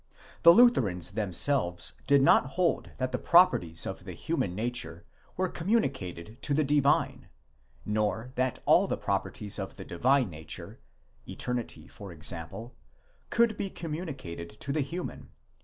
The Lutherans themselves did not hold that the properties of the human nature were communicated to the divine, nor that all the properties of the divine nature, eternity for example, could be communicated to the human